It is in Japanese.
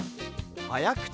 はやくち